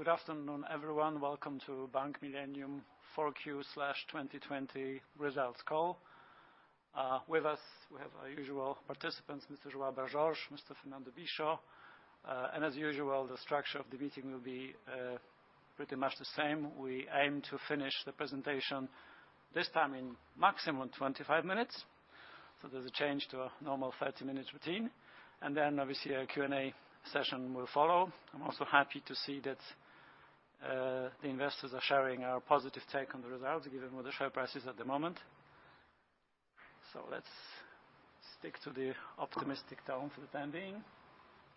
Good afternoon, everyone. Welcome to Bank Millennium 4Q 2022 Results Call. With us we have our usual participants, Mr. João Brás Jorge, Mr. Fernando Bicho. As usual, the structure of the meeting will be pretty much the same. We aim to finish the presentation this time in maximum 25 minutes, there's a change to our normal 30-minute routine, and then obviously our Q&A session will follow. I'm also happy to see that the investors are sharing our positive take on the results, given where the share price is at the moment. Let's stick to the optimistic tone for the time being.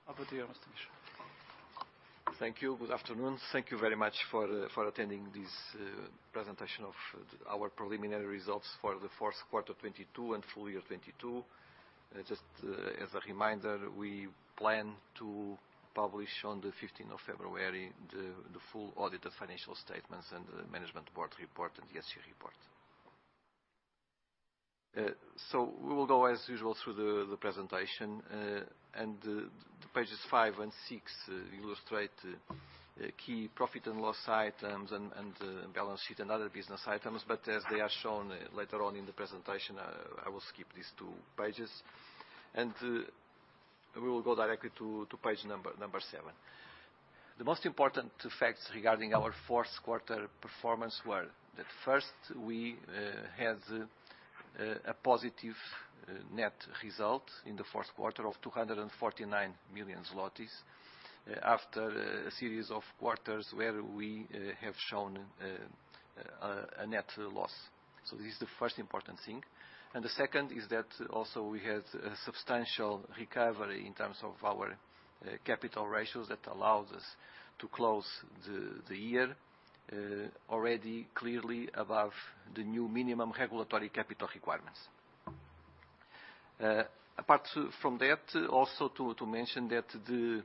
Over to you, Mr. Bicho. Thank you. Good afternoon. Thank you very much for attending this presentation of our preliminary results for the fourth quarter 2022 and full year 2022. Just as a reminder, we plan to publish on the 15th of February the full audit of financial statements and the management board report and the SC report. We will go as usual through the presentation. The pages 5 and 6 illustrate key profit and loss items and balance sheet and other business items. As they are shown later on in the presentation, I will skip these 2 pages. We will go directly to page number 7. The most important facts regarding our fourth quarter performance were that first, we had a positive net result in the fourth quarter of 249 million zlotys after a series of quarters where we have shown a net loss. This is the first important thing. The second is that also we had a substantial recovery in terms of our capital ratios that allows us to close the year already clearly above the new minimum regulatory capital requirements. Apart from that, also to mention that the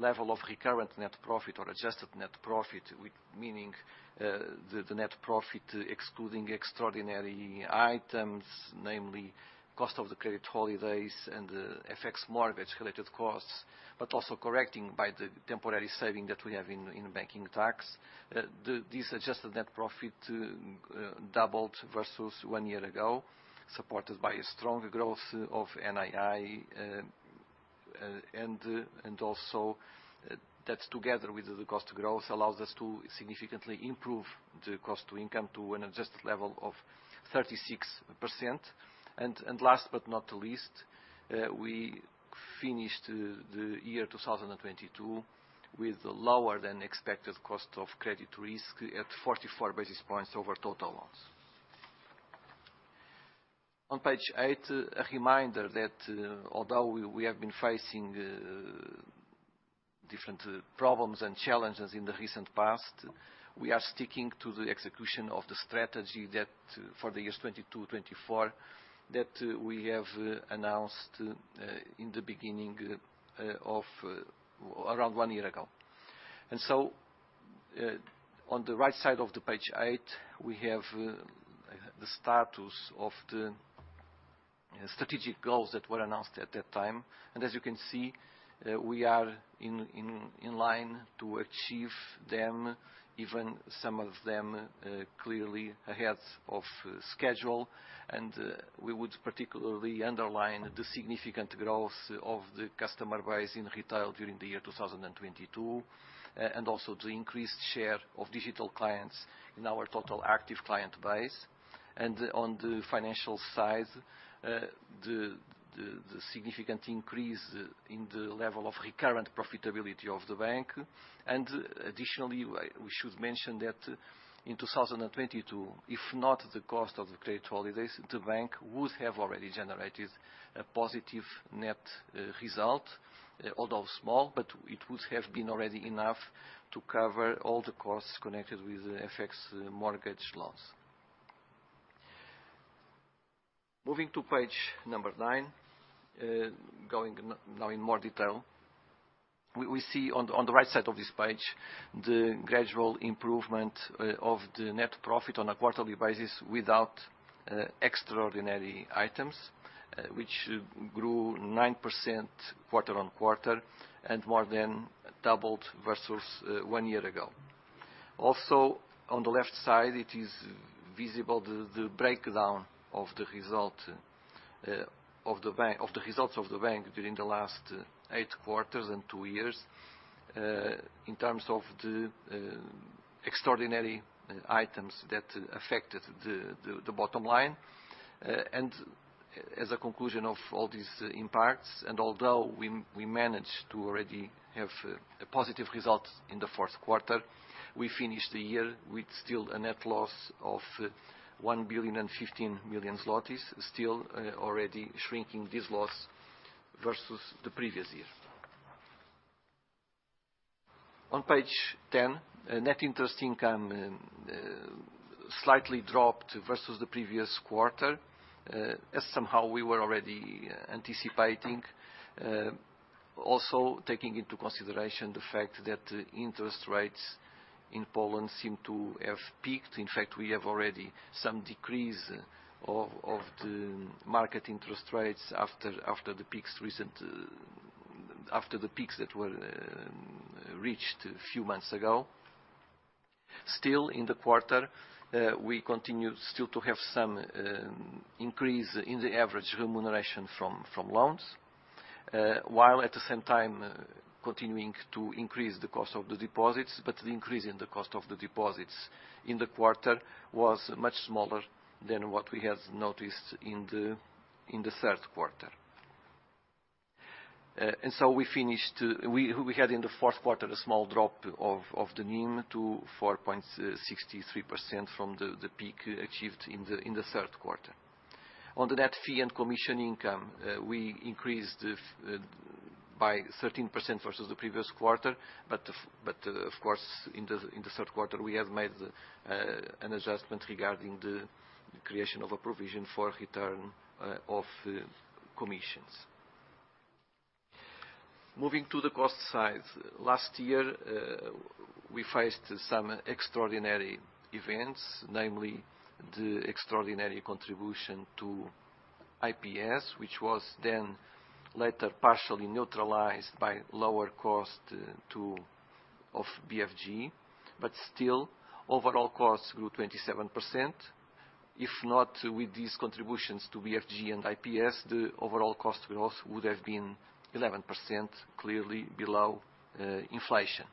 level of recurrent net profit or adjusted net profit, with meaning the net profit excluding extraordinary items, namely cost of the credit holidays and the FX mortgage related costs, but also correcting by the temporary saving that we have in banking tax. This adjusted net profit doubled versus one year ago, supported by a strong growth of NII. Also that together with the cost growth, allows us to significantly improve the cost to income to an adjusted level of 36%. Last but not least, we finished the year 2022 with lower than expected cost of credit risk at 44 basis points over total loans. On page 8, a reminder that although we have been facing different problems and challenges in the recent past, we are sticking to the execution of the strategy that for the years 2022-2024 that we have announced in the beginning of around one year ago. On the right side of page 8, we have the status of the strategic goals that were announced at that time. As you can see, we are in line to achieve them, even some of them clearly ahead of schedule. We would particularly underline the significant growth of the customer base in retail during the year 2022, and also the increased share of digital clients in our total active client base. On the financial side, the significant increase in the level of recurrent profitability of the bank. Additionally, we should mention that in 2022, if not the cost of the credit holidays, the bank would have already generated a positive net result, although small, but it would have been already enough to cover all the costs connected with FX mortgage loans. Moving to page 9, going now in more detail, we see on the right side of this page the gradual improvement of the net profit on a quarterly basis without extraordinary items, which grew 9% quarter-on-quarter and more than doubled versus one year ago. Also, on the left side, it is visible the breakdown of the results of the bank during the last 8 quarters and 2 years, in terms of the extraordinary items that affected the bottom line. As a conclusion of all these impacts, although we managed to already have a positive result in the fourth quarter, we finished the year with still a net loss of 1.015 billion, still, already shrinking this loss versus the previous year. On page 10, net interest income slightly dropped versus the previous quarter, as somehow we were already anticipating. Also taking into consideration the fact that interest rates in Poland seem to have peaked. In fact, we have already some decrease of the market interest rates after the peaks that were reached a few months ago. Still in the quarter, we continue still to have some increase in the average remuneration from loans, while at the same time continuing to increase the cost of the deposits. The increase in the cost of the deposits in the quarter was much smaller than what we had noticed in the third quarter. We had in the fourth quarter a small drop of the NIM to 4.63% from the peak achieved in the third quarter. On the net fee and commission income, we increased by 13% versus the previous quarter. Of course, in the third quarter, we have made an adjustment regarding the creation of a provision for return of commissions. Moving to the cost side. Last year, we faced some extraordinary events, namely the extraordinary contribution to IPS, which was then later partially neutralized by lower cost of BFG, but still overall costs grew 27%. If not, with these contributions to BFG and IPS, the overall cost growth would have been 11%, clearly below inflation.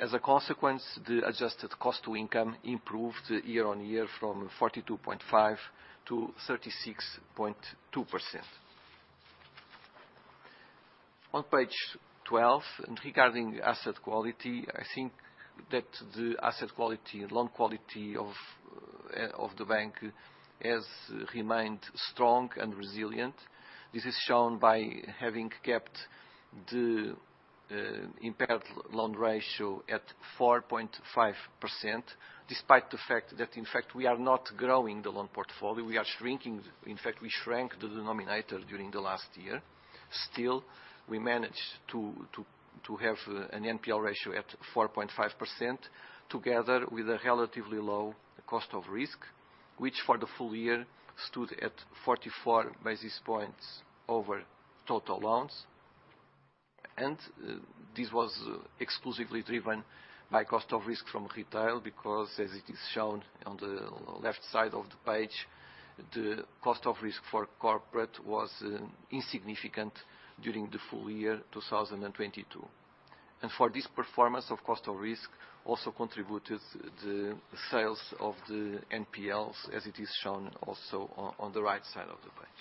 As a consequence, the adjusted cost to income improved year-over-year from 42.5% to 36.2%. On page 12, regarding asset quality, I think that the asset quality, loan quality of the bank has remained strong and resilient. This is shown by having kept the impaired loan ratio at 4.5%, despite the fact that, in fact, we are not growing the loan portfolio, we are shrinking. In fact, we shrank the denominator during the last year. Still, we managed to have an NPL ratio at 4.5%, together with a relatively low cost of risk, which for the full year stood at 44 basis points over total loans. This was exclusively driven by cost of risk from retail because as it is shown on the left side of the page, the cost of risk for corporate was insignificant during the full year 2022. For this performance of cost of risk also contributed the sales of the NPLs, as it is shown also on the right side of the page.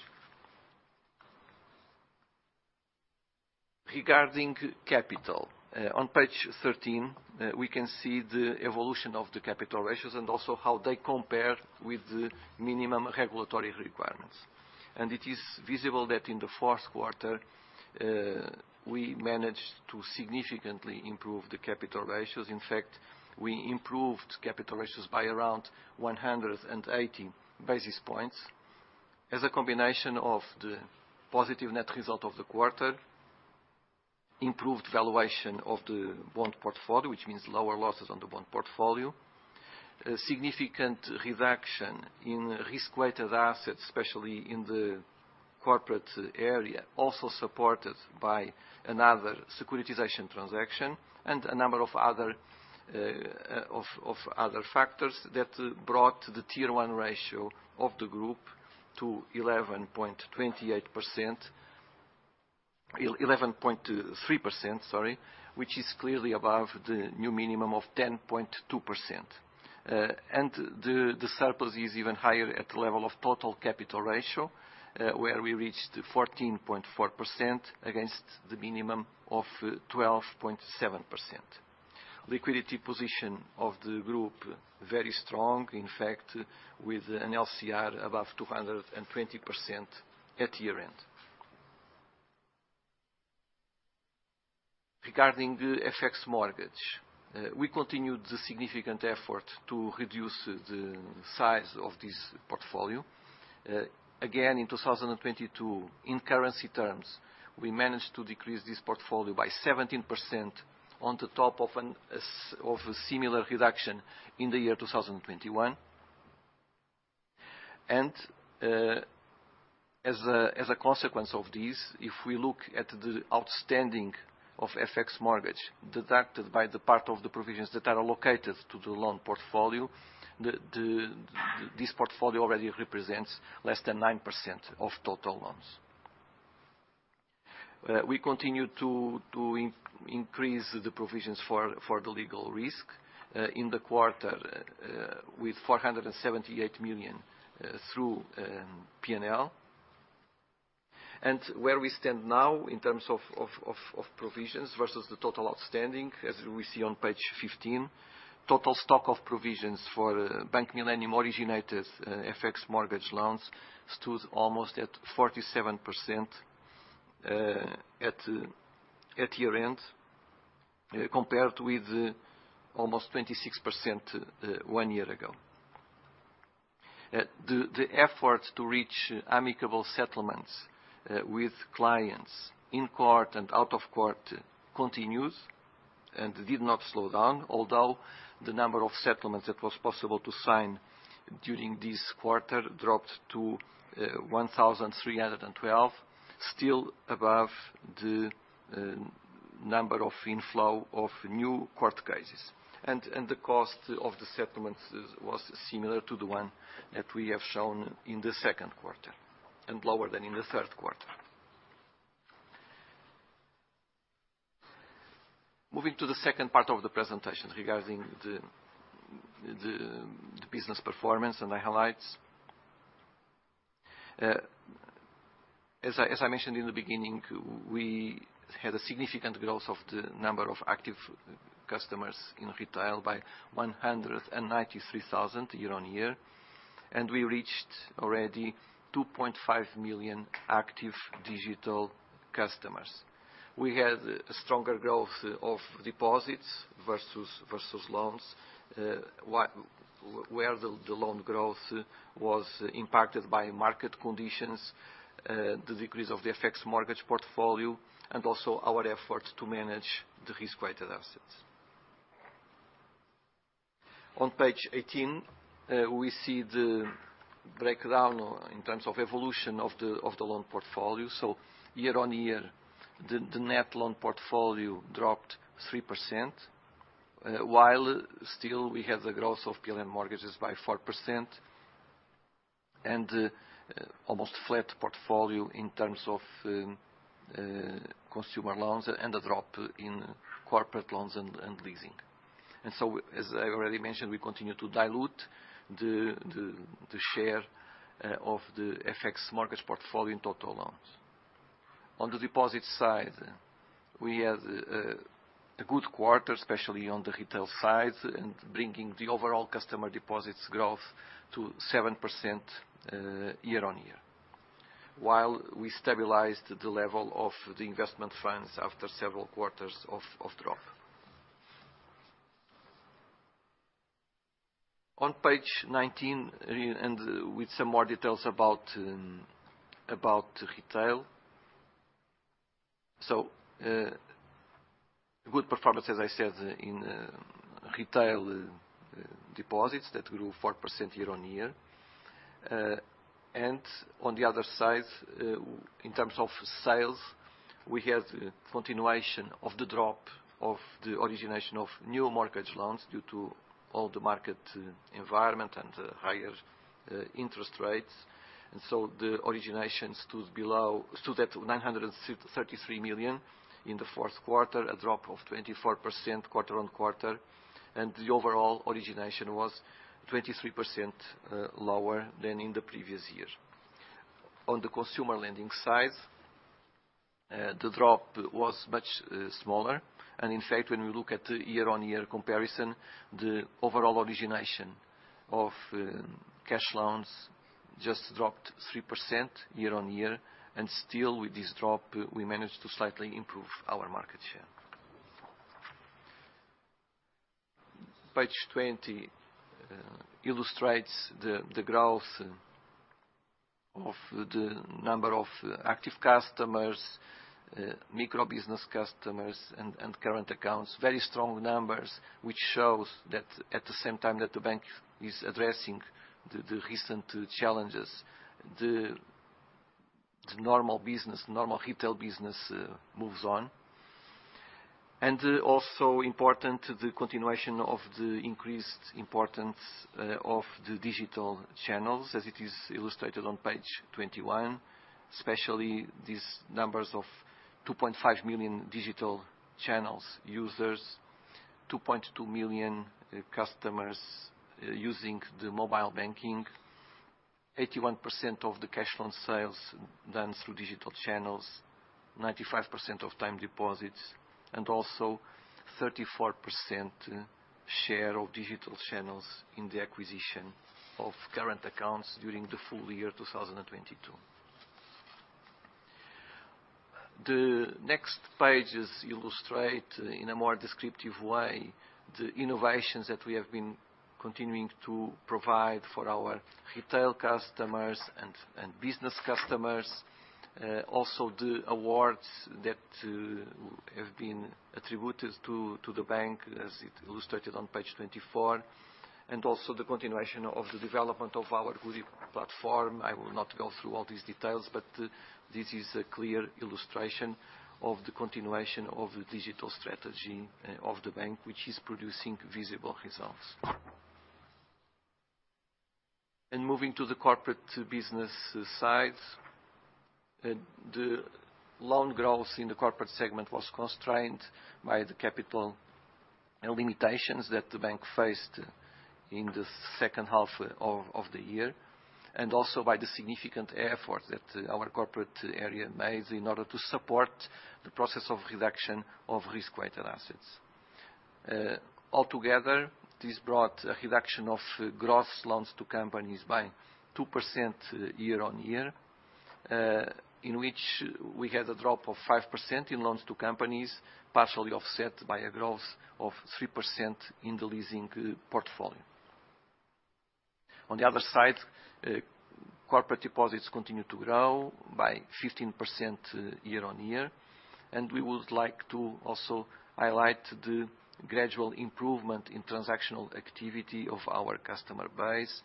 Regarding capital, on page 13, we can see the evolution of the capital ratios and also how they compare with the minimum regulatory requirements. It is visible that in the fourth quarter, we managed to significantly improve the capital ratios. In fact, we improved capital ratios by around 180 basis points as a combination of the positive net result of the quarter, improved valuation of the bond portfolio, which means lower losses on the bond portfolio. A significant reduction in risk-weighted assets, especially in the corporate area, also supported by another securitization transaction and a number of other factors that brought the Tier 1 ratio of the group to 11.28%. 11.3%, sorry, which is clearly above the new minimum of 10.2%. The surplus is even higher at the level of total capital ratio, where we reached 14.4% against the minimum of 12.7%. Liquidity position of the group, very strong, in fact, with an LCR above 220% at year-end. Regarding FX mortgage, we continued the significant effort to reduce the size of this portfolio. Again, in 2022, in currency terms, we managed to decrease this portfolio by 17% on the top of a similar reduction in the year 2021. As a consequence of this, if we look at the outstanding of FX mortgage deducted by the part of the provisions that are allocated to the loan portfolio, the this portfolio already represents less than 9% of total loans. We continue to increase the provisions for the legal risk in the quarter with 478 million through P&L. Where we stand now in terms of provisions versus the total outstanding, as we see on page 15, total stock of provisions for Bank Millennium originated FX mortgage loans stood almost at 47% at year-end, compared with almost 26% one year ago. The efforts to reach amicable settlements with clients in court and out of court continues and did not slow down, although the number of settlements that was possible to sign during this quarter dropped to 1,312, still above the number of inflow of new court cases. The cost of the settlements is, was similar to the one that we have shown in the second quarter and lower than in the third quarter. Moving to the second part of the presentation regarding the business performance and the highlights. As I mentioned in the beginning, we had a significant growth of the number of active customers in retail by 193,000 year-on-year, and we reached already 2.5 million active digital customers. We had a stronger growth of deposits versus loans, where the loan growth was impacted by market conditions, the decrease of the FX mortgage portfolio, and also our efforts to manage the risk-weighted assets. On page 18, we see the breakdown in terms of evolution of the loan portfolio. Year-on-year, the net loan portfolio dropped 3%, while still we have the growth of PLN mortgages by 4% and almost flat portfolio in terms of consumer loans and a drop in corporate loans and leasing. As I already mentioned, we continue to dilute the share of the FX mortgage portfolio in total loans. On the deposit side, we had a good quarter, especially on the retail side and bringing the overall customer deposits growth to 7% year-on-year, while we stabilized the level of the investment funds after several quarters of drop. On page 19, and with some more details about retail. Good performance, as I said, in retail deposits that grew 4% year-on-year. On the other side, in terms of sales, we had a continuation of the drop of the origination of new mortgage loans due to all the market environment and higher interest rates. The origination stood at 963 million in the fourth quarter, a drop of 24% quarter-on-quarter, and the overall origination was 23% lower than in the previous year. On the consumer lending side, the drop was much smaller. When we look at the year-on-year comparison, the overall origination of cash loans just dropped 3% year-on-year. With this drop, we managed to slightly improve our market share. Page 20 illustrates the growth of the number of active customers, micro business customers and current accounts. Very strong numbers which shows that at the same time that the bank is addressing the recent challenges, the normal business, normal retail business moves on. Also important, the continuation of the increased importance of the digital channels as it is illustrated on page 21, especially these numbers of 2.5 million digital channels users, 2.2 million customers using the mobile banking, 81% of the cash loan sales done through digital channels, 95% of time deposits, and also 34% share of digital channels in the acquisition of current accounts during the full year 2022. The next pages illustrate in a more descriptive way the innovations that we have been continuing to provide for our retail customers and business customers. Also the awards that have been attributed to the bank as it illustrated on page 24, also the continuation of the development of our Goodie platform. I will not go through all these details, but this is a clear illustration of the continuation of the digital strategy of the bank, which is producing visible results. Moving to the corporate business side, the loan growth in the corporate segment was constrained by the capital limitations that the bank faced in the second half of the year, also by the significant effort that our corporate area made in order to support the process of reduction of risk-weighted assets. Altogether, this brought a reduction of gross loans to companies by 2% year-on-year. In which we had a drop of 5% in loans to companies, partially offset by a growth of 3% in the leasing portfolio. On the other side, corporate deposits continued to grow by 15% year-on-year. We would like to also highlight the gradual improvement in transactional activity of our customer base,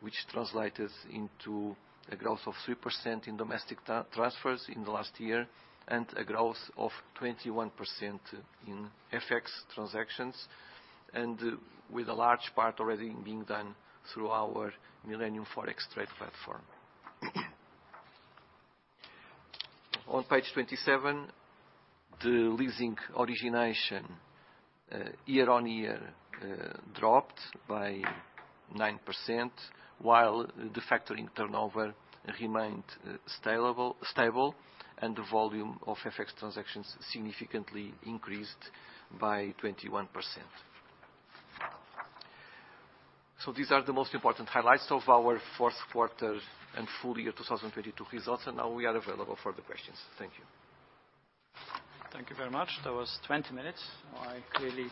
which translated into a growth of 3% in domestic transfers in the last year, and a growth of 21% in FX transactions. With a large part already being done through our Millennium Forex Trader platform. On page 27, the leasing origination year-on-year dropped by 9%, while the factoring turnover remained stable and the volume of FX transactions significantly increased by 21%. These are the most important highlights of our fourth quarter and full year 2022 results. Now we are available for the questions. Thank you. Thank you very much. That was 20 minutes. I clearly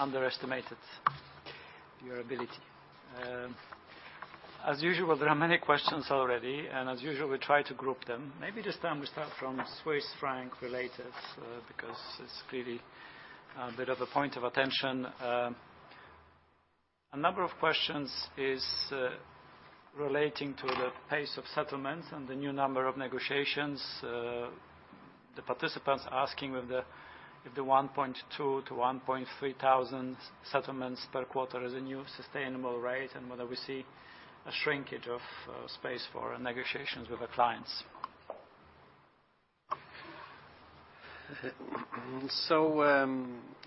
underestimated your ability. As usual, there are many questions already, and as usual, we try to group them. Maybe this time we start from Swiss franc related, because it's clearly a bit of a point of attention. A number of questions is relating to the pace of settlements and the new number of negotiations. The participants are asking if the 1.2–1.3 thousand settlements per quarter is a new sustainable rate, and whether we see a shrinkage of space for negotiations with the clients.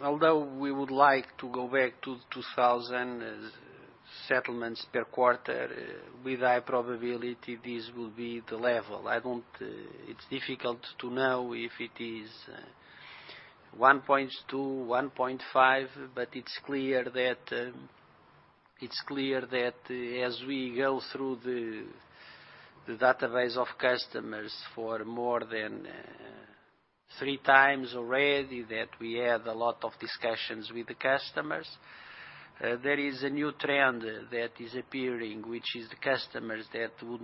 Although we would like to go back to 2,000 settlements per quarter, with high probability, this will be the level. It's difficult to know if it is 1.2, 1.5, but it's clear that as we go through the database of customers for more than 3 times already, that we had a lot of discussions with the customers. There is a new trend that is appearing, which is the customers that would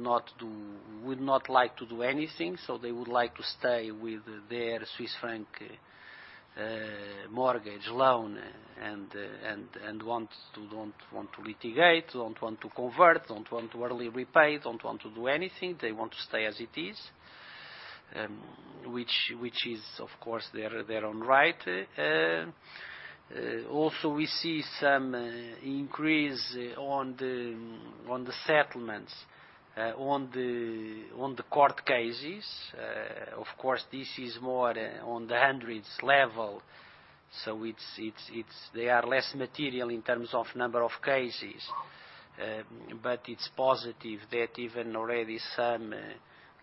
not like to do anything, so they would like to stay with their Swiss franc mortgage loan, and don't want to litigate, don't want to convert, don't want to early repay, don't want to do anything. They want to stay as it is, which is of course their own right. Also we see some increase on the settlements, on the court cases. Of course, this is more on the hundreds level. They are less material in terms of number of cases. It's positive that even already some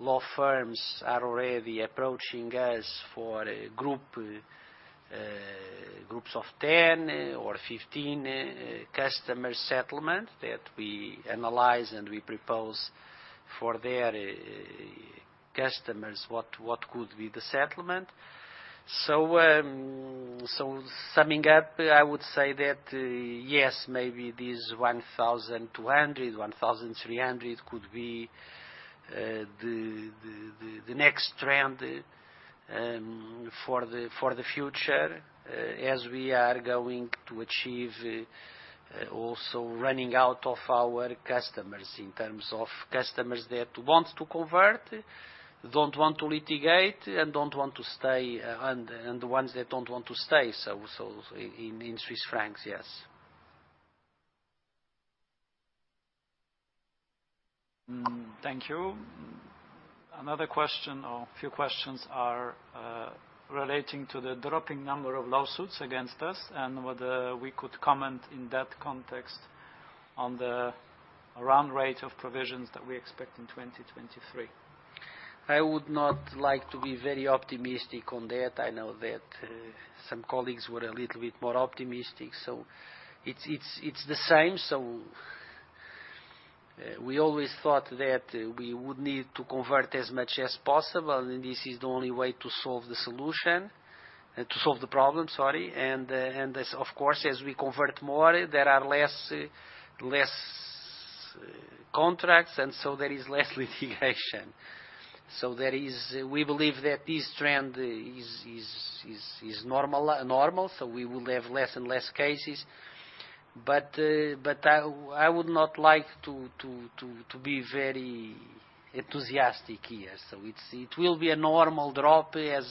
law firms are already approaching us for groups of 10 or 15 customer settlement that we analyze, and we propose for their customers what could be the settlement. Summing up, I would say that, yes, maybe this 1,200, 1,300 could be the next trend for the future as we are going to achieve also running out of our customers in terms of customers that want to convert, don't want to litigate, and don't want to stay, and the ones that don't want to stay. In Swiss francs, yes. Thank you. Another question or few questions are relating to the dropping number of lawsuits against us and whether we could comment in that context on the run rate of provisions that we expect in 2023. I would not like to be very optimistic on that. I know that some colleagues were a little bit more optimistic. It's the same. We always thought that we would need to convert as much as possible, and this is the only way to solve the solution. To solve the problem, sorry. This, of course, as we convert more, there are less contracts, and so there is less litigation. There is we believe that this trend is normal, so we will have less and less cases. I would not like to be very enthusiastic here. It will be a normal drop as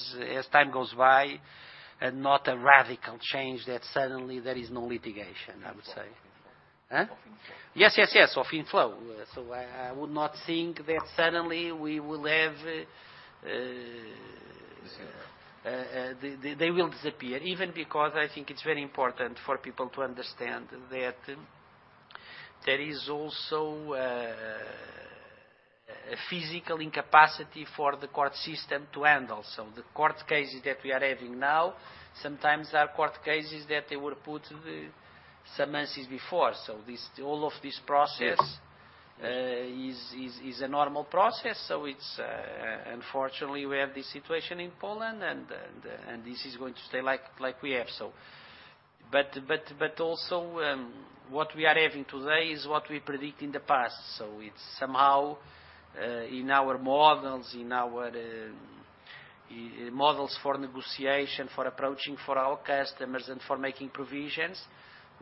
time goes by, and not a radical change that suddenly there is no litigation, I would say. Of inflow. Huh? Of inflow. Yes, yes, of inflow. I would not think that suddenly we will have. Disappear ...they will disappear. Because I think it's very important for people to understand that there is also a physical incapacity for the court system to handle. The court cases that we are having now, sometimes are court cases that they were put some months before. All of this process is a normal process. It's, unfortunately, we have this situation in Poland and this is going to stay like we have so. Also, what we are having today is what we predict in the past. It's somehow, in our models, in our models for negotiation, for approaching for our customers and for making provisions,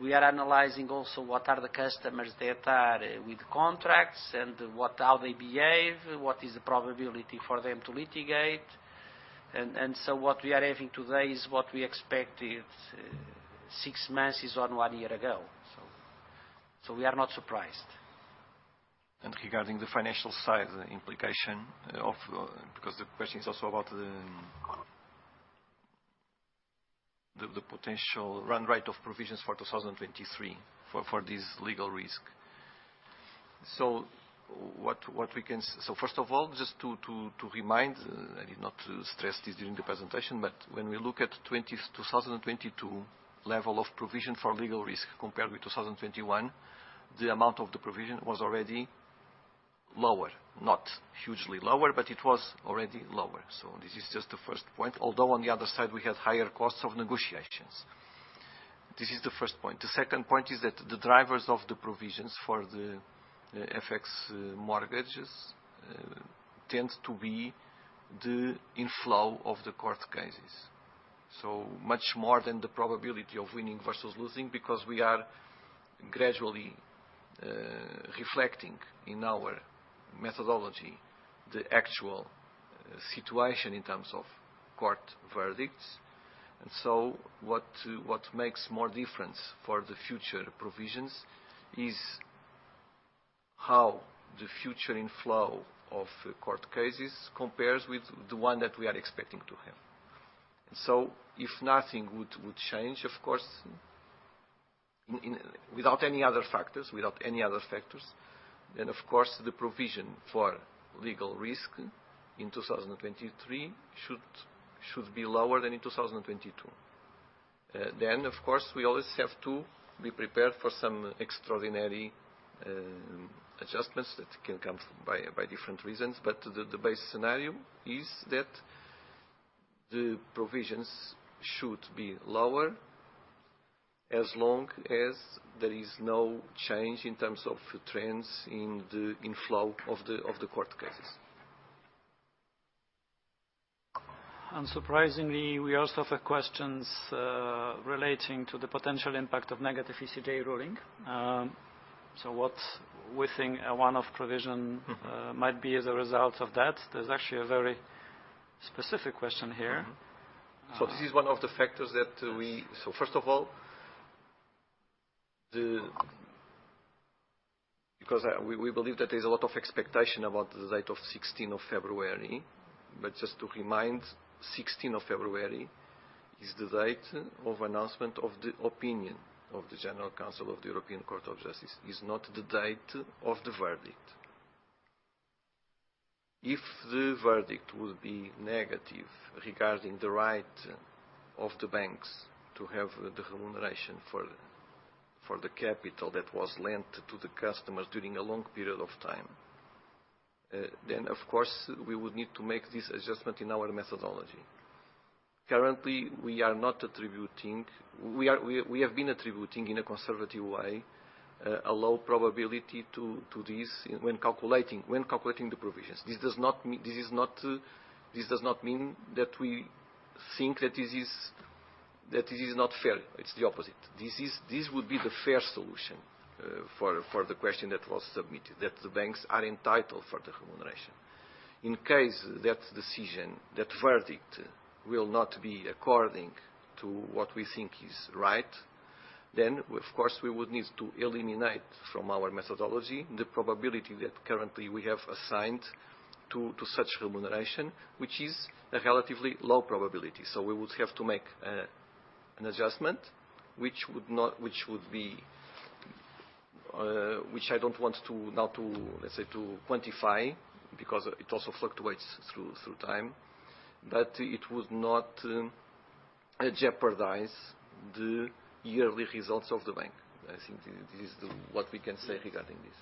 we are analyzing also what are the customers that are with contracts and how they behave, what is the probability for them to litigate. What we are having today is what we expected six months or one year ago. We are not surprised. Regarding the financial side, the implication of... The question is also about the potential run rate of provisions for 2023 for this legal risk. What we can first of all, just to remind, I did not stress this during the presentation, but when we look at 2022 level of provision for legal risk compared with 2021, the amount of the provision was already lower. Not hugely lower, but it was already lower. This is just the first point. Although on the other side, we had higher costs of negotiations. This is the first point. The second point is that the drivers of the provisions for the FX mortgages tends to be the inflow of the court cases. Much more than the probability of winning versus losing, because we are gradually reflecting in our methodology the actual situation in terms of court verdicts. What makes more difference for the future provisions is how the future inflow of court cases compares with the one that we are expecting to have. If nothing would change, of course, without any other factors, then of course, the provision for legal risk in 2023 should be lower than in 2022. Of course, we always have to be prepared for some extraordinary adjustments that can come by different reasons. The base scenario is that the provisions should be lower as long as there is no change in terms of trends in the inflow of the court cases. Unsurprisingly, we also have questions relating to the potential impact of negative ECJ ruling. What we think a one-off provision-. Mm-hmm. might be as a result of that. There's actually a very specific question here. Mm-hmm. Uh. This is one of the factors that. Yes. First of all, because we believe that there's a lot of expectation about the date of 16th of February. Just to remind, 16th of February is the date of announcement of the opinion of the Advocate General of the European Court of Justice. It's not the date of the verdict. If the verdict will be negative regarding the right of the banks to have the remuneration for the capital that was lent to the customers during a long period of time, then of course, we would need to make this adjustment in our methodology. Currently, we are not attributing. We have been attributing in a conservative way a low probability to this when calculating the provisions. This is not. This does not mean that we think that this is, that this is not fair. It's the opposite. This would be the fair solution, for the question that was submitted, that the banks are entitled for the remuneration. In case that decision, that verdict will not be according to what we think is right, then of course, we would need to eliminate from our methodology the probability that currently we have assigned to such remuneration, which is a relatively low probability. So we would have to make an adjustment which would be, which I don't want to now to, let's say, to quantify because it also fluctuates through time. It would not jeopardize the yearly results of the bank. I think what we can say regarding this.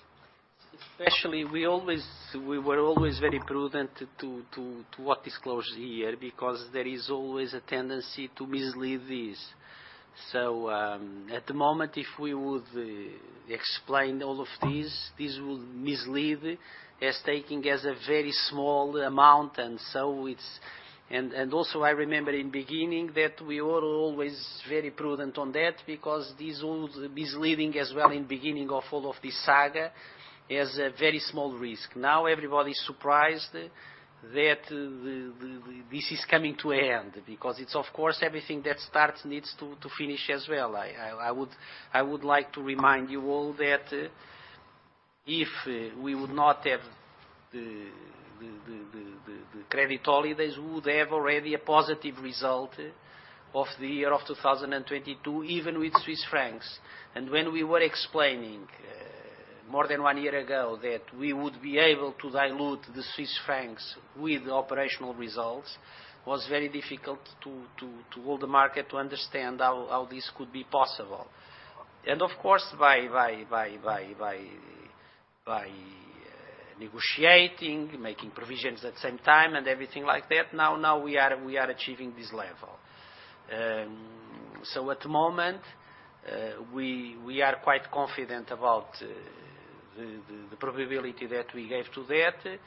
Especially, we were always very prudent to what disclosed here because there is always a tendency to mislead this. At the moment, if we would explain all of these, this would mislead as taking as a very small amount. Also, I remember in beginning that we were always very prudent on that because this was misleading as well in beginning of all of this saga as a very small risk. Everybody's surprised that this is coming to end because it's, of course, everything that starts needs to finish as well. I would like to remind you all that if we would not have the credit holidays, we would have already a positive result of the year of 2022, even with Swiss francs. When we were explaining more than one year ago that we would be able to dilute the Swiss francs with operational results, was very difficult to all the market to understand how this could be possible. Of course, By negotiating, making provisions at the same time, and everything like that. Now, we are achieving this level. At the moment, we are quite confident about the probability that we gave to that.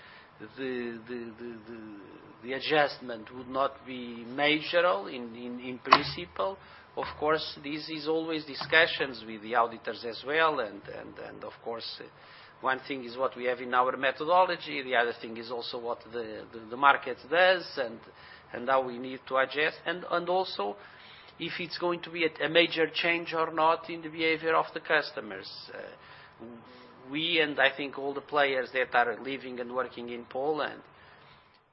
The adjustment would not be major at all in principle. Of course, this is always discussions with the auditors as well and of course one thing is what we have in our methodology, the other thing is also what the market does and how we need to adjust and also if it's going to be a major change or not in the behavior of the customers. We and I think all the players that are living and working in Poland,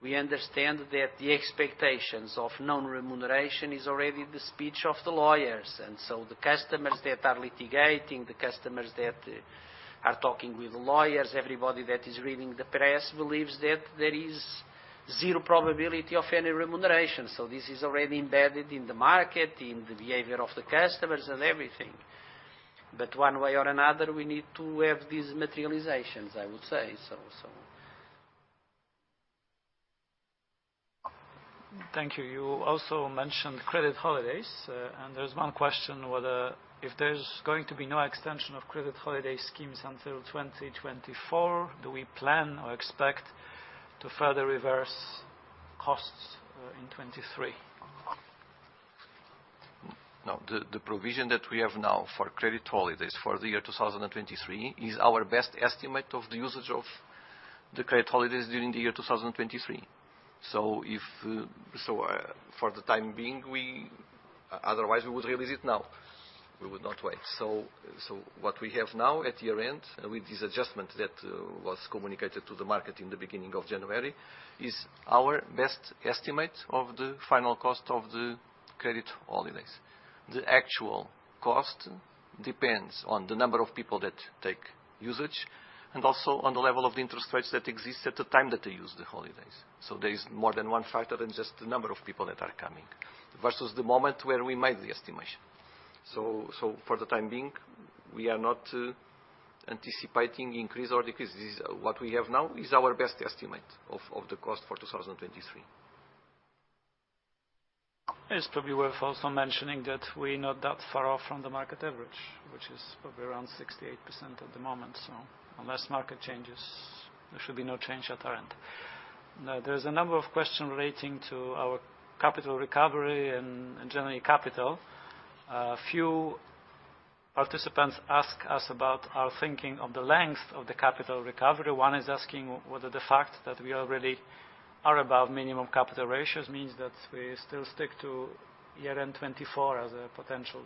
we understand that the expectations of non-remuneration is already the speech of the lawyers. The customers that are litigating, the customers that are talking with lawyers, everybody that is reading the press believes that there is zero probability of any remuneration. This is already embedded in the market, in the behavior of the customers and everything. One way or another, we need to have these materializations, I would say. So. Thank you. You also mentioned credit holidays, and there's one question whether if there's going to be no extension of credit holiday schemes until 2024, do we plan or expect to further reverse costs, in 23? No, the provision that we have now for credit holidays for the year 2023 is our best estimate of the usage of the credit holidays during the year 2023. For the time being, Otherwise, we would release it now. We would not wait. What we have now at year-end with this adjustment that was communicated to the market in the beginning of January, is our best estimate of the final cost of the credit holidays. The actual cost depends on the number of people that take usage, and also on the level of interest rates that exist at the time that they use the holidays. There is more than one factor than just the number of people that are coming, versus the moment where we made the estimation. For the time being, we are not anticipating increase or decrease. This is what we have now is our best estimate of the cost for 2023. It's probably worth also mentioning that we're not that far off from the market average, which is probably around 68% at the moment. Unless market changes, there should be no change at our end. There's a number of questions relating to our capital recovery and generally capital. A few participants ask us about our thinking of the length of the capital recovery. One is asking whether the fact that we already are above minimum capital ratios means that we still stick to year-end 2024 as a potential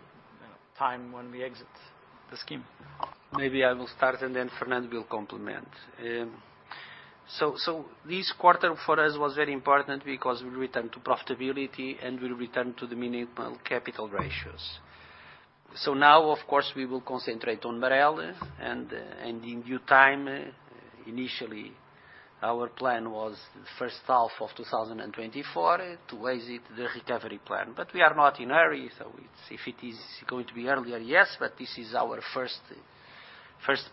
time when we exit the scheme. Maybe I will start and then Fernando will complement. This quarter for us was very important because we return to profitability and we return to the minimum capital ratios. Now, of course, we will concentrate on MREL and, in due time, initially, our plan was the first half of 2024 to exit the recovery plan. We are not in a hurry. If it is going to be earlier, yes, but this is our first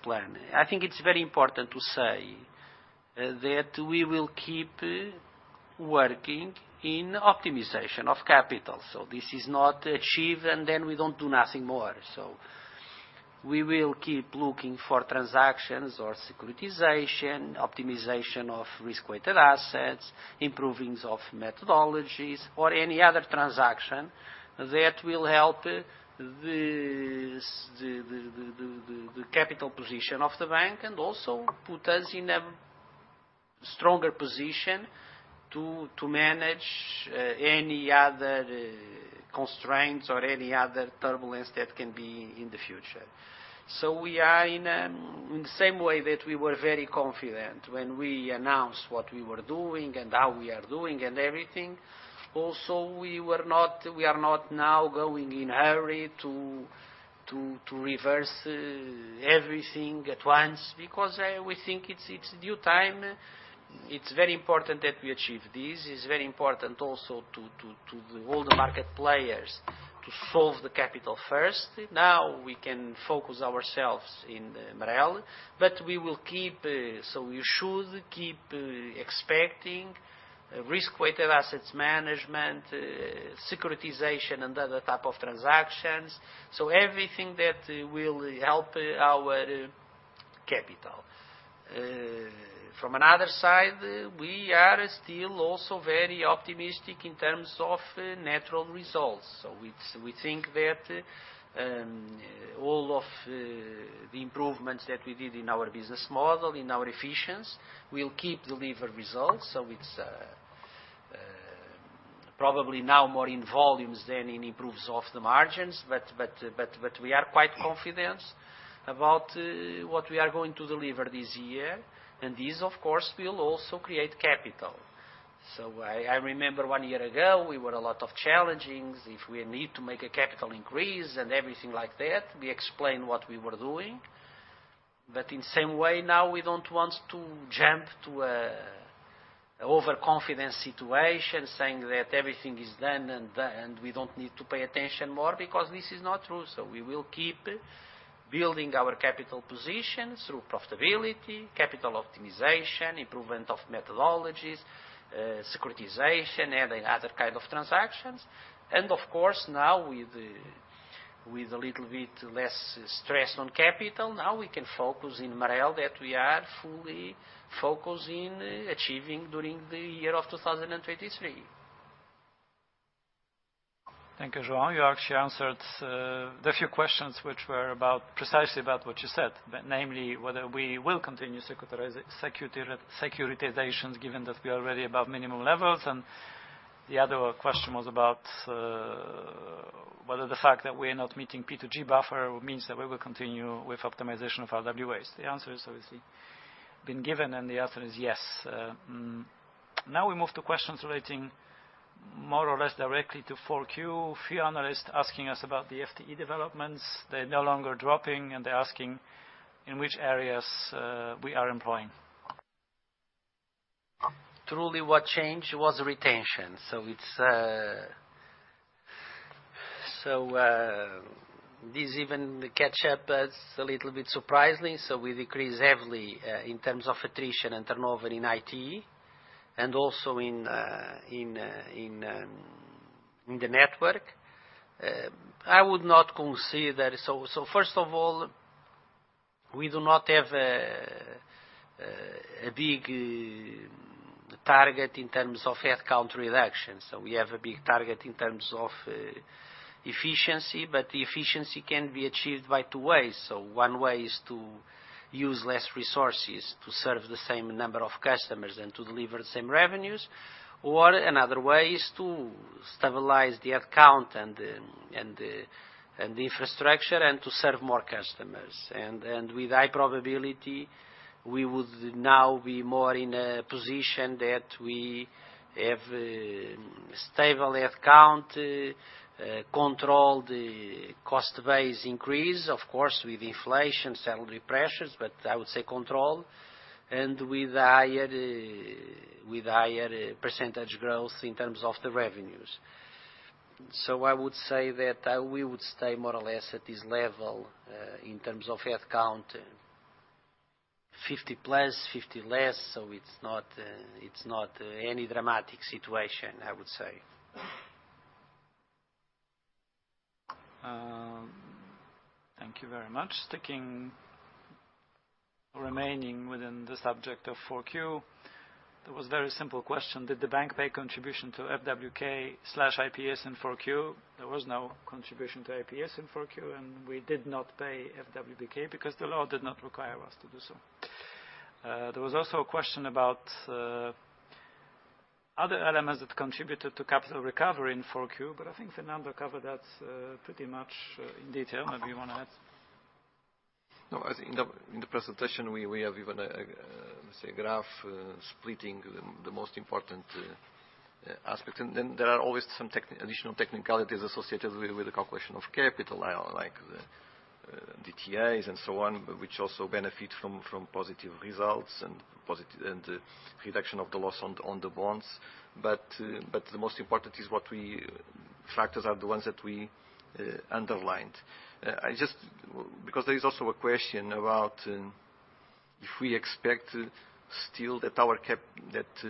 plan. I think it's very important to say that we will keep working in optimization of capital. This is not achieved and then we don't do nothing more. We will keep looking for transactions or securitization, optimization of risk-weighted assets, improvings of methodologies or any other transaction that will help the capital position of the Bank and also put us in a stronger position to manage any other constraints or any other turbulence that can be in the future. We are in the same way that we were very confident when we announced what we were doing and how we are doing and everything. We were not, we are not now going in a hurry to reverse everything at once because we think it's due time. It's very important that we achieve this. It's very important also to the all the market players to solve the capital first. Now we can focus ourselves in MREL. We will keep, so you should keep expecting risk-weighted assets management, securitization and other type of transactions. Everything that will help our capital. From another side, we are still also very optimistic in terms of natural results. It's, we think that all of the improvements that we did in our business model, in our efficiency, will keep deliver results. It's probably now more in volumes than in improves of the margins, but we are quite confident about what we are going to deliver this year, and this of course, will also create capital. I remember one year ago, we were a lot of challengings. If we need to make a capital increase and everything like that, we explained what we were doing. In same way now, we don't want to jump to overconfident situation saying that everything is done and done, and we don't need to pay attention more because this is not true. We will keep building our capital positions through profitability, capital optimization, improvement of methodologies, securitization, and other kind of transactions. Of course, now with a little bit less stress on capital, now we can focus in MREL that we are fully focused in achieving during the year of 2023. Thank you, João. You actually answered the few questions which were about precisely about what you said. Namely, whether we will continue securitizations given that we are already above minimum levels. The other question was about whether the fact that we are not meeting P2G buffer means that we will continue with optimization of our RWAs. The answer has obviously been given. The answer is yes. Now we move to questions relating more or less directly to 4Q. Few analysts asking us about the FTE developments. They're no longer dropping. They're asking in which areas we are employing. Truly, what changed was retention. It's. This even catch up us a little bit surprisingly. We decrease heavily in terms of attrition and turnover in IT and also in the network. I would not consider. First of all, we do not have a big target in terms of headcount reduction. We have a big target in terms of efficiency, but the efficiency can be achieved by two ways. One way is to use less resources to serve the same number of customers and to deliver the same revenues, or another way is to stabilize the headcount and the infrastructure and to serve more customers. With high probability, we would now be more in a position that we have, stable headcount, control the cost base increase, of course, with inflation, salary pressures, but I would say control, and with higher percentage growth in terms of the revenues. I would say that, we would stay more or less at this level, in terms of headcount, 50 plus, 50 less, so it's not any dramatic situation, I would say. Thank you very much. Sticking remaining within the subject of 4Q, there was a very simple question. Did the bank pay contribution to FWK/IPS in 4Q? There was no contribution to IPS in 4Q, we did not pay FWK because the law did not require us to do so. There was also a question about other elements that contributed to capital recovery in 4Q. I think Fernando covered that pretty much in detail. Maybe you wanna add? No, as in the, in the presentation, we have even a, let's say, a graph, splitting the most important, aspect. Then there are always some additional technicalities associated with the calculation of capital, like the, DTAs and so on, which also benefit from positive results and reduction of the loss on the, on the bonds. The most important is what we factors are the ones that we, underlined. There is also a question about, if we expect still that, our capital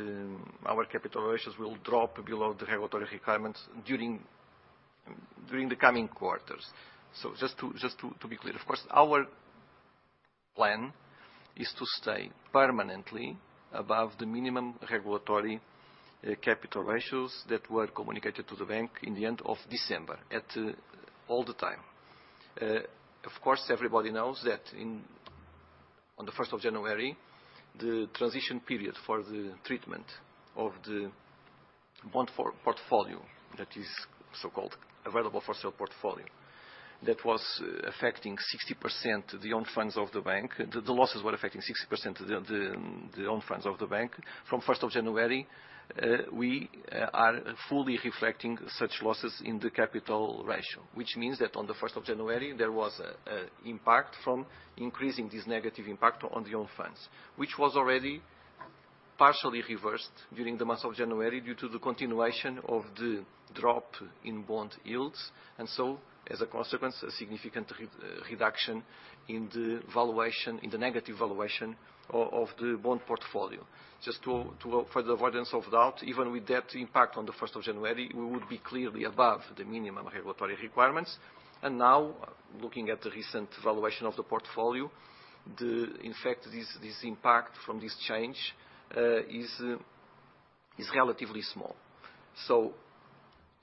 ratios will drop below the regulatory requirements during the coming quarters. Just to be clear, of course, our plan is to stay permanently above the minimum regulatory capital ratios that were communicated to the bank in the end of December at all the time. Of course, everybody knows that on the 1st of January, the transition period for the treatment of the bond portfolio that is so-called available-for-sale portfolio, that was affecting 60% the own funds of the bank. The losses were affecting 60% the own funds of the bank. From 1st of January, we are fully reflecting such losses in the capital ratio, which means that on the 1st of January, there was a impact from increasing this negative impact on the own funds. Which was already partially reversed during the month of January due to the continuation of the drop in bond yields, as a consequence, a significant reduction in the valuation, in the negative valuation of the bond portfolio. Just for the avoidance of doubt, even with that impact on the 1st of January, we would be clearly above the minimum regulatory requirements. Now, looking at the recent valuation of the portfolio, in fact, this impact from this change is relatively small.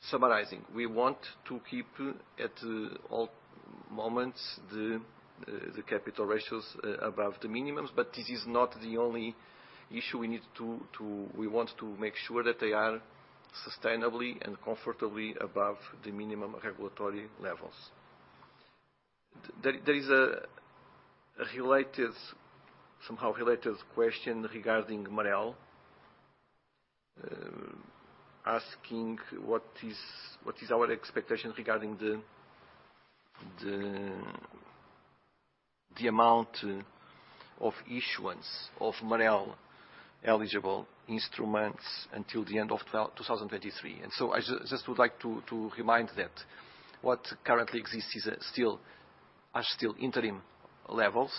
Summarizing, we want to keep at all moments the capital ratios above the minimums, but this is not the only issue we need to make sure that they are sustainably and comfortably above the minimum regulatory levels. There is a related, somehow related question regarding MREL, asking what is our expectation regarding the amount of issuance of MREL eligible instruments until the end of 2023. I just would like to remind that what currently exists are still interim levels,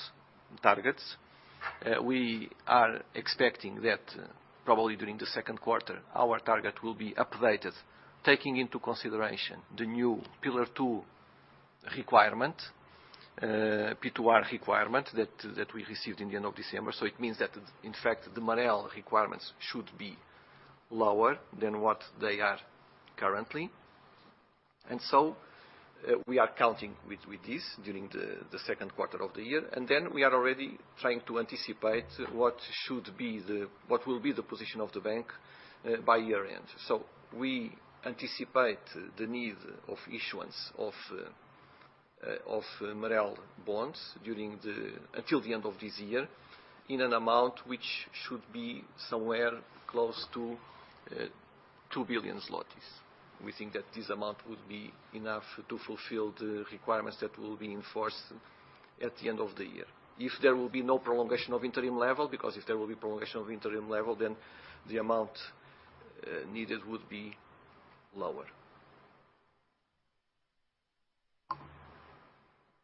targets. We are expecting that probably during the second quarter, our target will be updated taking into consideration the new Pillar 2 requirement, P2R requirement that we received in the end of December. It means that in fact, the MREL requirements should be lower than what they are currently. We are counting with this during the second quarter of the year. We are already trying to anticipate what will be the position of the bank by year end. We anticipate the need of issuance of MREL bonds until the end of this year in an amount which should be somewhere close to 2 billion zlotys. We think that this amount would be enough to fulfill the requirements that will be enforced at the end of the year. If there will be no prolongation of interim level, because if there will be prolongation of interim level, then the amount needed would be lower.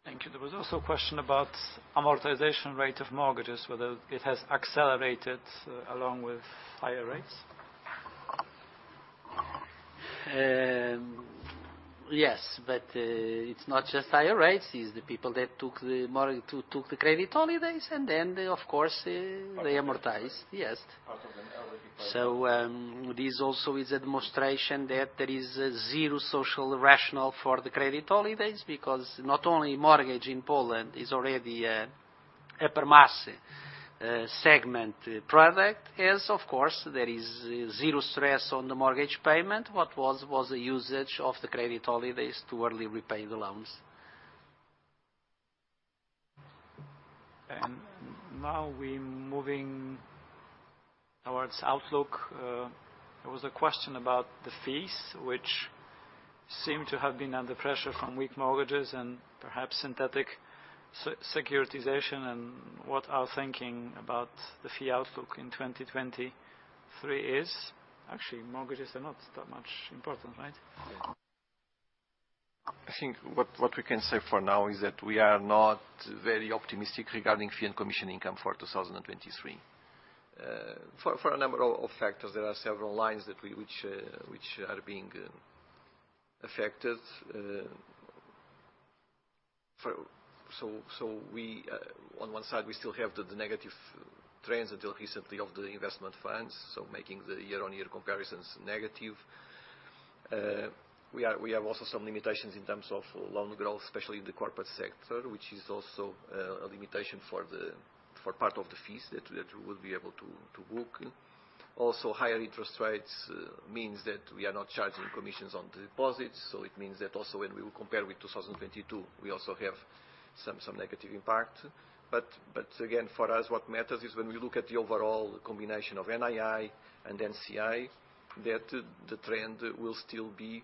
Thank you. There was also a question about amortization rate of mortgages, whether it has accelerated along with higher rates. Yes, it's not just higher rates. It's the people that took the credit holidays, they of course, they amortize. Yes. Part of an early repayment. This also is a demonstration that there is zero social rational for the credit holidays because not only mortgage in Poland is already a upper-mass segment product, as of course there is zero stress on the mortgage payment. What was a usage of the credit holidays to early repay the loans. Now we're moving towards outlook. There was a question about the fees, which seem to have been under pressure from weak mortgages and perhaps synthetic securitization and what our thinking about the fee outlook in 2023 is? Actually, mortgages are not that much important, right? I think what we can say for now is that we are not very optimistic regarding fee and commission income for 2023, for a number of factors. There are several lines that we, which are being affected. We, on one side we still have the negative trends until recently of the investment funds, so making the year-on-year comparisons negative. We have also some limitations in terms of loan growth, especially in the corporate sector, which is also a limitation for part of the fees that we would be able to book. Also, higher interest rates means that we are not charging commissions on deposits, so it means that also when we will compare with 2022, we also have some negative impact. Again, for us, what matters is when we look at the overall combination of NII and NCI, that the trend will still be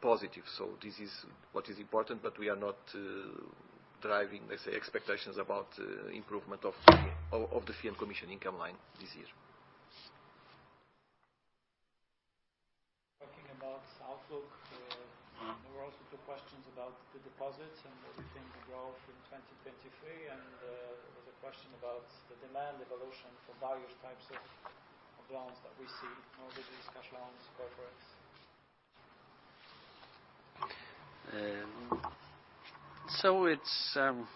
positive. This is what is important, but we are not driving, let's say, expectations about improvement of the fee and commission income line this year. Talking about outlook, there were also two questions about the deposits and what we think the growth in 2023. There was a question about the demand evolution for various types of loans that we see, mortgages, cash loans, corporates. It's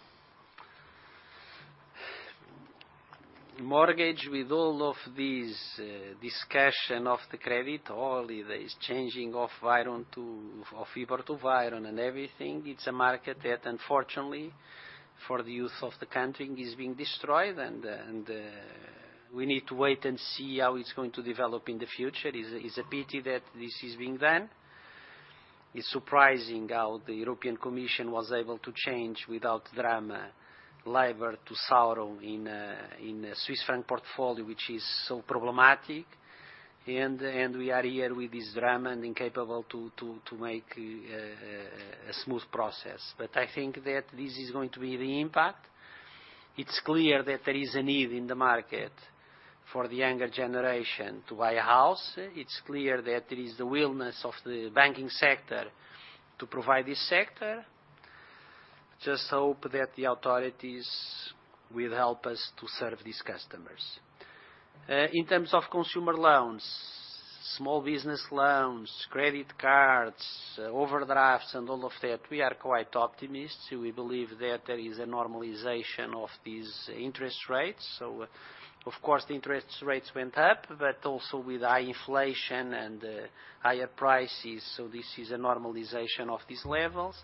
mortgage with all of these discussion of the credit holiday is changing of WIBOR to WIRON and everything. It's a market that unfortunately for the youth of the country is being destroyed and we need to wait and see how it's going to develop in the future. It's a pity that this is being done. It's surprising how the European Commission was able to change without drama WIBOR to SARON in Swiss franc portfolio, which is so problematic. We are here with this drama and incapable to make a smooth process. I think that this is going to be the impact. It's clear that there is a need in the market for the younger generation to buy a house. It's clear that there is the willingness of the banking sector to provide this sector. Hope that the authorities will help us to serve these customers. In terms of consumer loans, small business loans, credit cards, overdrafts, and all of that, we are quite optimistic. We believe that there is a normalization of these interest rates. Of course, the interest rates went up, but also with high inflation and higher prices, so this is a normalization of these levels.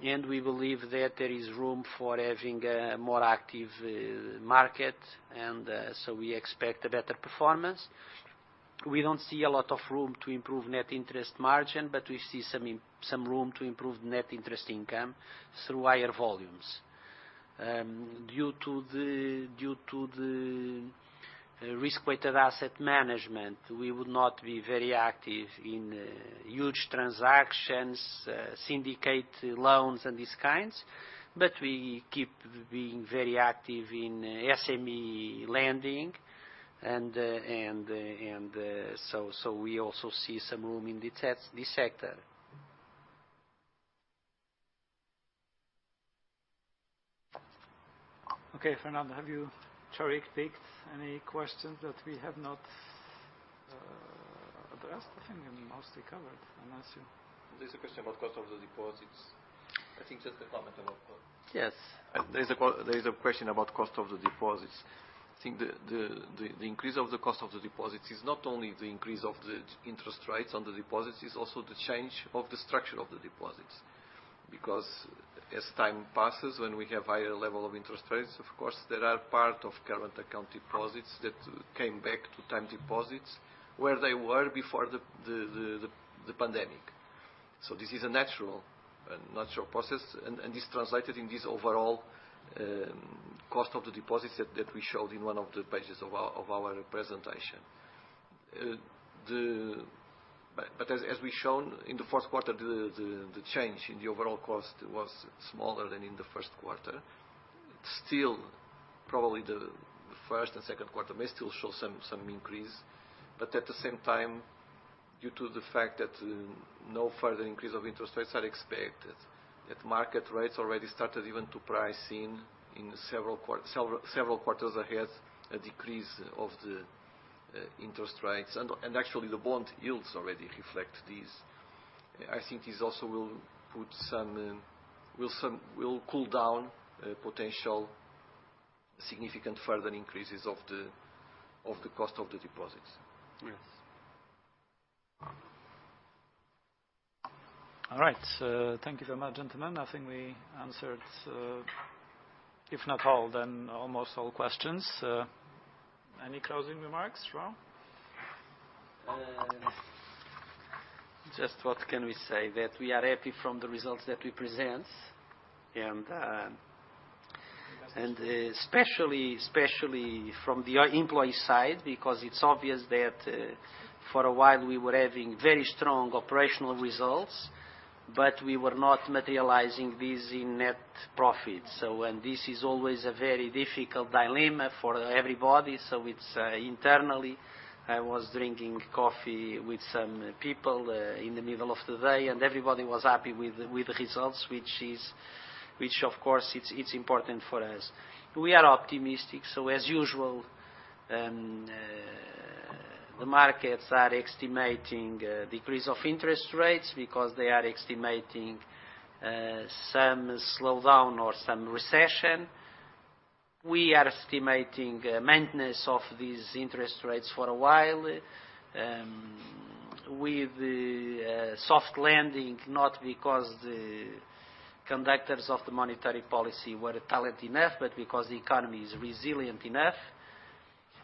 We believe that there is room for having a more active market and, so we expect a better performance. We don't see a lot of room to improve net interest margin, but we see some room to improve net interest income through higher volumes. Due to the risk-weighted asset management, we would not be very active in huge transactions, syndicated loans and these kinds, but we keep being very active in SME lending and we also see some room in this sector. Okay. Fernando, have you, Ch picked any questions that we have not addressed? I think we mostly covered. There's a question about cost of the deposits. I think just a comment about cost. Yes. There's a question about cost of the deposits. I think the increase of the cost of the deposits is not only the increase of the interest rates on the deposits, it's also the change of the structure of the deposits. Because as time passes, when we have higher level of interest rates, of course there are part of current account deposits that came back to time deposits where they were before the pandemic. This is a natural process and this translated in this overall cost of the deposits that we showed in one of the pages of our presentation. As we've shown in the fourth quarter, the change in the overall cost was smaller than in the first quarter. Probably the first and second quarters may still show some increase, but at the same time, due to the fact that no further increase of interest rates are expected, that market rates already started even to price in several quarters ahead a decrease of the interest rates and actually the bond yields already reflect this. I think this also will put some, will cool down potential significant further increases of the cost of the deposits. Yes. All right. Thank you very much, gentlemen. I think we answered, if not all, then almost all questions. Any closing remarks, João? Just what can we say? That we are happy from the results that we present and, especially from the employee side, because it's obvious that, for a while we were having very strong operational results, but we were not materializing this in net profits. This is always a very difficult dilemma for everybody. It's, internally, I was drinking coffee with some people, in the middle of the day, and everybody was happy with the results, which of course it's important for us. We are optimistic. As usual, the markets are estimating a decrease of interest rates because they are estimating, some slowdown or some recession. We are estimating a maintenance of these interest rates for a while, with a soft landing, not because the conductors of the monetary policy were talented enough, but because the economy is resilient enough.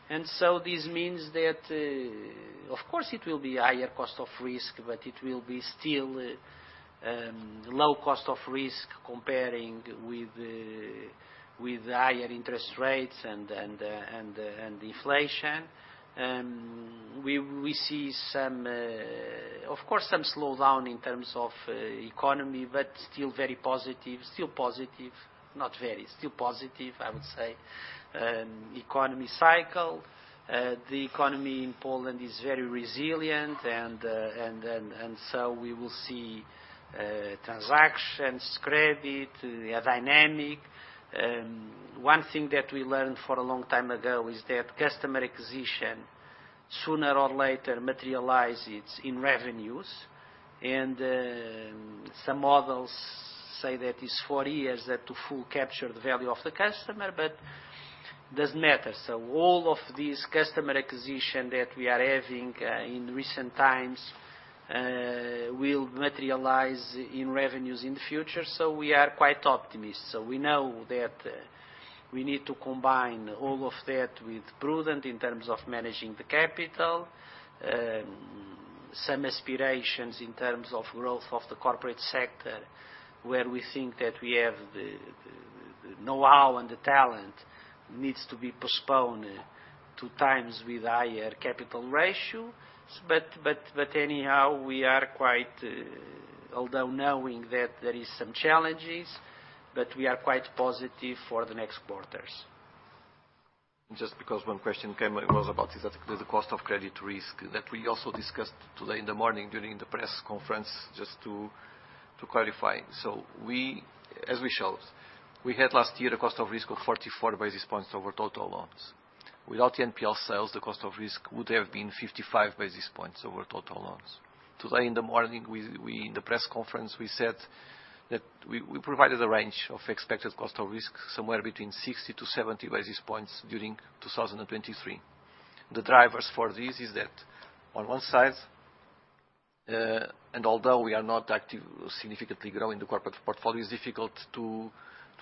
This means that, of course it will be higher cost of risk, but it will be still, low cost of risk comparing with the higher interest rates and the inflation. We see some, of course, some slowdown in terms of economy, but still very positive, still positive, not very, still positive, I would say economy cycle. The economy in Poland is very resilient and so we will see, transactions, credit, dynamic. One thing that we learned for a long time ago is that customer acquisition sooner or later materializes in revenues. Some models say that it's four years that to full capture the value of the customer, but doesn't matter. All of this customer acquisition that we are having in recent times will materialize in revenues in the future. We are quite optimistic. We know that we need to combine all of that with prudent in terms of managing the capital. Some aspirations in terms of growth of the corporate sector, where we think that we have the know-how and the talent needs to be postponed to times with higher capital ratio. Anyhow, we are quite, although knowing that there is some challenges, but we are quite positive for the next quarters. Just because one question came, it was about this, that the cost of credit risk that we also discussed today in the morning during the press conference, just to clarify. We, as we showed, we had last year a cost of risk of 44 basis points over total loans. Without the NPL sales, the cost of risk would have been 55 basis points over total loans. In the morning, we, in the press conference, we said that we provided a range of expected cost of risk somewhere between 60 to 70 basis points during 2023. The drivers for this is that on one side, and although we are not active, significantly growing the corporate portfolio, it's difficult to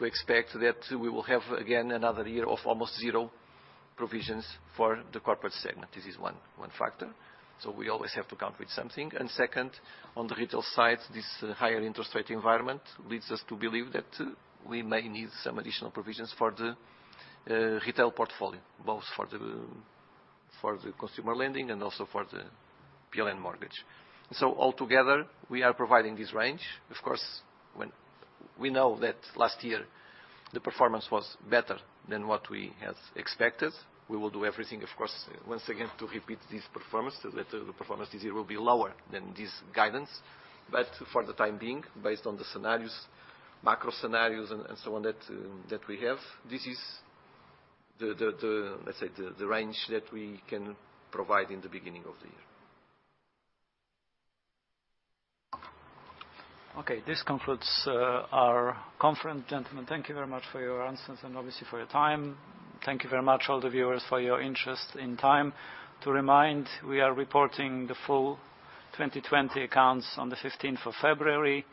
expect that we will have again another year of almost zero provisions for the corporate segment. This is one factor. We always have to count with something. Second, on the retail side, this higher interest rate environment leads us to believe that we may need some additional provisions for the retail portfolio, both for the consumer lending and also for the PLN mortgage. Altogether, we are providing this range. Of course, when we know that last year the performance was better than what we had expected. We will do everything, of course, once again, to repeat this performance, that the performance this year will be lower than this guidance. For the time being, based on the scenarios, macro scenarios and so on that we have, this is the, let's say, the range that we can provide in the beginning of the year. Okay. This concludes our conference. Gentlemen, thank you very much for your answers and obviously for your time. Thank you very much all the viewers for your interest and time. To remind, we are reporting the full 2020 accounts on the 15th of February.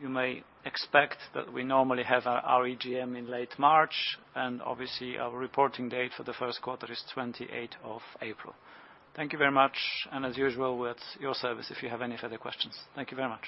You may expect that we normally have our EGM in late March, and obviously our reporting date for the 1st quarter is 28th of April. Thank you very much, and as usual, we're at your service if you have any further questions. Thank you very much.